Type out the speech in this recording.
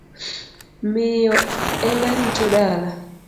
Miyo ema rito dala.